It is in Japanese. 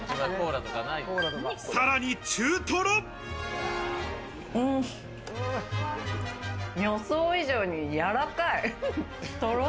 さらに中トロ。